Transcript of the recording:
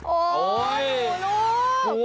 โอ้โหลูก